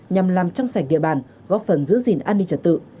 nhằm làm trong sạch địa bàn góp phần giữ gìn an ninh trật tự